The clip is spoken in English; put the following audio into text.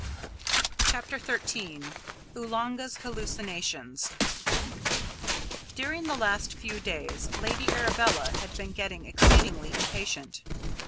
CHAPTER XIII OOLANGA'S HALLUCINATIONS During the last few days Lady Arabella had been getting exceedingly impatient.